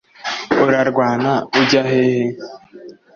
urarwana ujya hehe’”